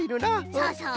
そうそう。